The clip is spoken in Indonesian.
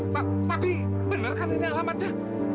tapi bener kan ini alamatnya